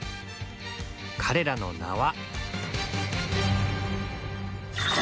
彼らの名は！